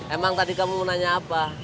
emang tadi kamu mau nanya apa